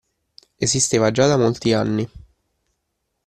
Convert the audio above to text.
Esisteva già da molti anni.